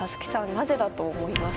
なぜだと思います？